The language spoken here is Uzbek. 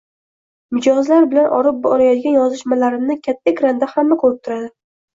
Mijozlar bilan olib borayotgan yozishmalarimni katta ekranda hamma koʻrib turadi.